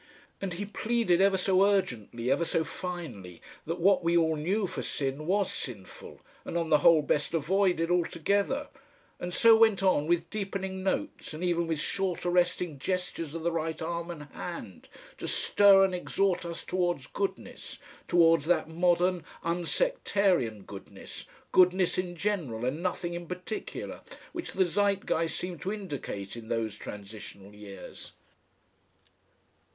And he pleaded ever so urgently, ever so finely, that what we all knew for Sin was sinful, and on the whole best avoided altogether, and so went on with deepening notes and even with short arresting gestures of the right arm and hand, to stir and exhort us towards goodness, towards that modern, unsectarian goodness, goodness in general and nothing in particular, which the Zeitgeist seemed to indicate in those transitional years.